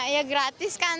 ya gratis kan